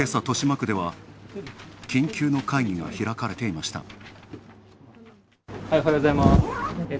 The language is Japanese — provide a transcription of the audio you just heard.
豊島区では、緊急の会議が開かれていました。